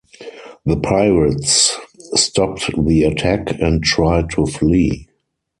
The pirates stopped the attack and tried to flee.